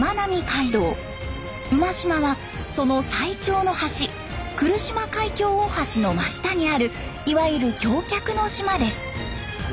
馬島はその最長の橋来島海峡大橋の真下にあるいわゆる橋脚の島です。